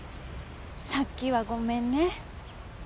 さっきはごめんね。